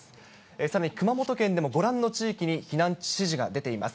さらに熊本県でも、ご覧の地域に避難指示が出ています。